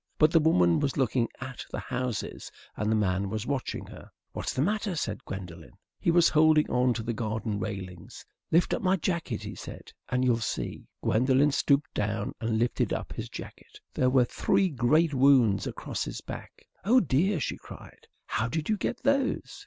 But the woman was looking at the houses, and the man was watching her. "What's the matter?" said Gwendolen. He was holding on to the garden railings. "Lift up my jacket," he said, "and you'll see." Gwendolen stooped down and lifted up his jacket. There were three great wounds across his back. "Oh dear!" she cried; "how did you get those?"